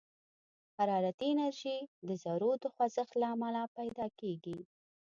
حرارتي انرژي د ذرّو د خوځښت له امله پيدا کېږي.